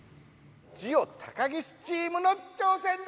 ジオ高岸チームの挑戦です！